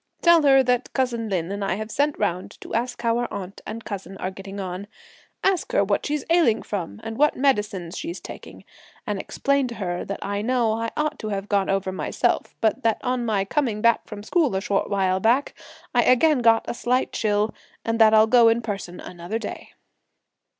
Tell her that cousin Lin and I have sent round to ask how our aunt and cousin are getting on! ask her what she's ailing from and what medicines she's taking, and explain to her that I know I ought to have gone over myself, but that on my coming back from school a short while back, I again got a slight chill; and that I'll go in person another day."